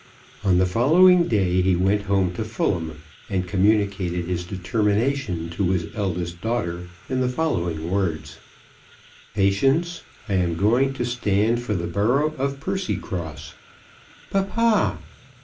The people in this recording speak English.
On the following day he went home to Fulham, and communicated his determination to his eldest daughter in the following words; "Patience, I am going to stand for the borough of Percycross." "Papa!"